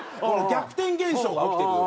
逆転現象が起きてる。